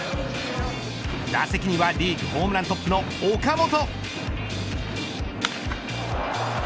打席にはリーグホームラントップの岡本。